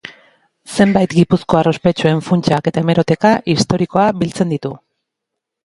Zenbait gipuzkoar ospetsuen funtsak eta hemeroteka historikoa biltzen ditu.